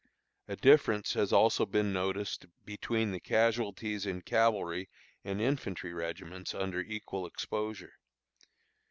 A difference has also been noticed between the casualties in cavalry and infantry regiments under equal exposure.